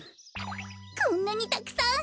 こんなにたくさん！